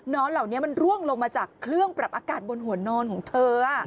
เหล่านี้มันร่วงลงมาจากเครื่องปรับอากาศบนหัวนอนของเธอ